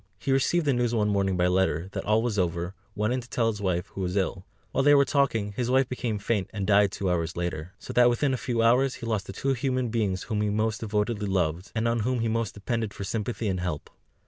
He received the news one morning by letter, that all was over, went in to tell his wife, who was ill; while they were talking, his wife became faint, and died two hours later. So that within a few hours he lost the two human beings whom he most devotedly loved, and on whom he most depended for sympathy and help.